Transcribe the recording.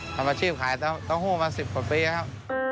ทำอาชีพขายต้องหู้มาสิบกว่าปีครับ